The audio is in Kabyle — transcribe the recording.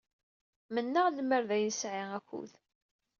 Mennaɣ lemmer d ay nesɛi akud.